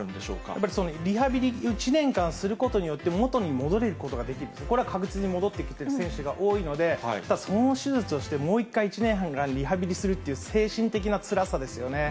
やっぱりリハビリを１年間することによって、元に戻れることができる、これは確実に戻ってきている選手が多いので、ただ、その手術をして、もう一回１年半、リハビリするっていう精神的なつらさですよね。